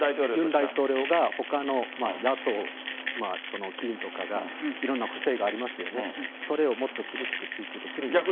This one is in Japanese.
ユン大統領がほかの野党議員とかが、いろんな不正がありますよね、それをもっと厳しく追及できるんじゃないかと。